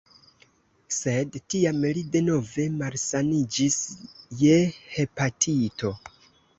Sed tiam li denove malsaniĝis je hepatito.